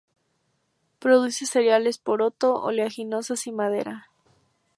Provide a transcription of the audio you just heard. Produce cereales, poroto, oleaginosas y madera.